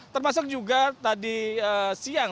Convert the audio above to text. termasuk juga tadi siang